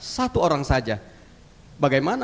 satu orang saja bagaimana